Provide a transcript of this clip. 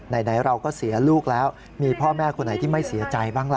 ไหนเราก็เสียลูกแล้วมีพ่อแม่คนไหนที่ไม่เสียใจบ้างล่ะ